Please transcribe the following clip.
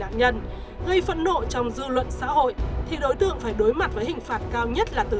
nạn nhân gây phận nộ trong dư luận xã hội thì đối tượng phải đối mặt với hình phạt cao nhất là tự